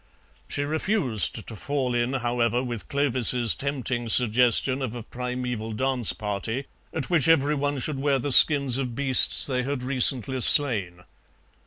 She refused to fall in, however, with Clovis's tempting suggestion of a primeval dance party, at which every one should wear the skins of beasts they had recently slain.